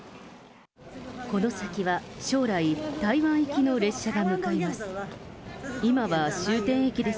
この先は将来、台湾行きの列車が向かいます。